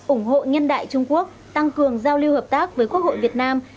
ủng hộ nhân đại trung quốc tăng cường giao lưu hợp tác với quốc hội việt nam